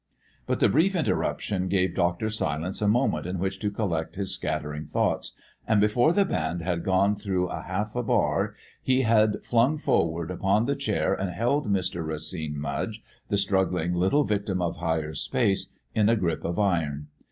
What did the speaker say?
But the brief interruption gave Dr. Silence a moment in which to collect his scattering thoughts, and before the band had got through half a bar, he had flung forward upon the chair and held Mr. Racine Mudge, the struggling little victim of Higher Space, in a grip of iron.